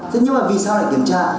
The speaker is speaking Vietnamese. thế nhưng mà vì sao lại kiểm tra